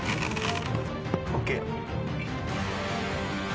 ＯＫ。